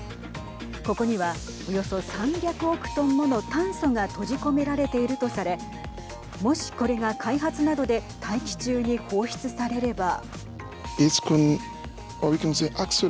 ここにはおよそ３００億トンもの炭素が閉じ込められているとされもしこれが開発などで大気中に放出されれば。